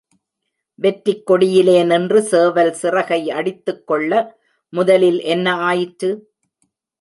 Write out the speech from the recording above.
வெற்றிக் கொடியிலே நின்று சேவல் சிறகை அடித்துக் கொள்ள, முதலில் என்ன ஆயிற்று?